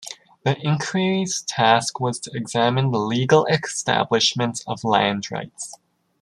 The Inquiry's task was to examine the legal establishment of land rights.